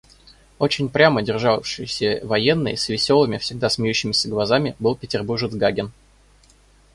Очень прямо державшийся военный с веселыми, всегда смеющимися глазами был петербуржец Гагин.